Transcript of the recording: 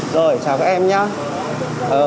rồi chào các em nhé